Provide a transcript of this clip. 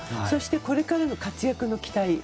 そして、これからの活躍の期待。